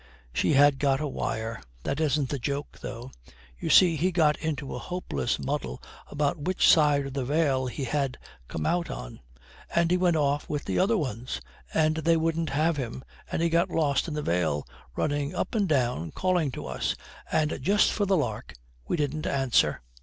'She had got a wire. That isn't the joke, though. You see he got into a hopeless muddle about which side of the veil he had come out on; and he went off with the other ones, and they wouldn't have him, and he got lost in the veil, running up and down it, calling to us; and just for the lark we didn't answer.'